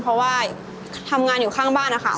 เพราะว่าทำงานอยู่ข้างบ้านนะคะ